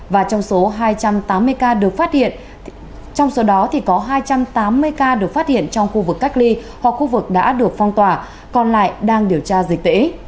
và trong số hai trăm tám mươi ca được phát hiện trong khu vực cách ly hoặc khu vực đã được phong tỏa còn lại đang điều tra dịch tễ